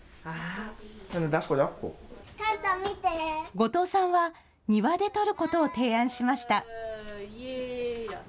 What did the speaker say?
後藤さんは庭で撮ることを提案しました。